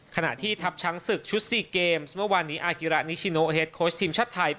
ขณะที่ทัพช้างศึกชุด๔เกมส์เมื่อวานนี้อากิระนิชิโนเฮดโค้ชทีมชาติไทย